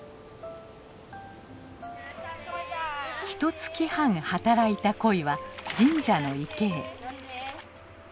ひとつき半働いたコイは神社の池へ。